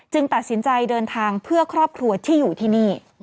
ตัดสินใจเดินทางเพื่อครอบครัวที่อยู่ที่นี่